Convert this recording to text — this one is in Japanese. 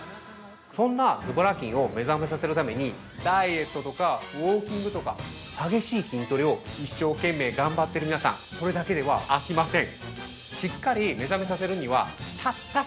◆そんなズボラ筋を目覚めさせるためにダイエットとか、ウォーキングとか激しい筋トレを一生懸命頑張ってる皆さん、それだけではあきません。